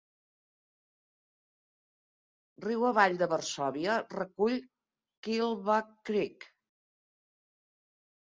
Riu avall de Varsòvia recull Killbuck Creek.